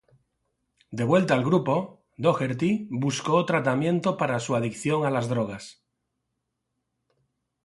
De vuelta al grupo, Doherty buscó tratamiento para su adicción a las drogas.